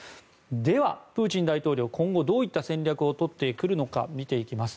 では、プーチン大統領今後、どういった戦略を取ってくるのか見ていきます。